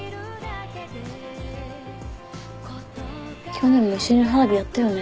去年も一緒に花火やったよね。